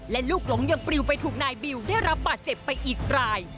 และลูกหลงยังปลิวไปถูกนายบิวได้รับบาดเจ็บไปอีกราย